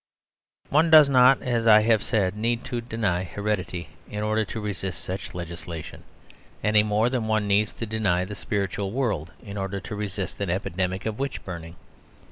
One does not, as I have said, need to deny heredity in order to resist such legislation, any more than one needs to deny the spiritual world in order to resist an epidemic of witch burning.